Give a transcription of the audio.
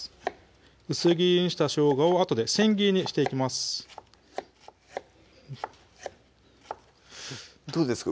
薄切りにしたしょうがをあとで千切りにしていきますどうですか？